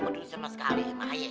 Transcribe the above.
penuh sama sekali